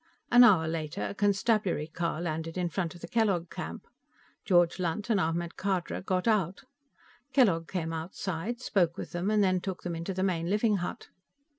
An hour later, a constabulary car landed in front of the Kellogg camp. George Lunt and Ahmed Khadra got out. Kellogg came outside, spoke with them and then took them into the main living hut.